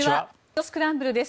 スクランブル」です。